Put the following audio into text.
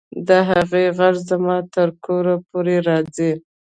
د هغې غږ زما تر کوره پورې راځي